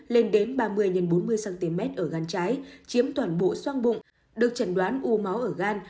lên đến ba mươi x bốn mươi cm ở gan trái chiếm toàn bộ soang bụng được chẩn đoán u máu ở gan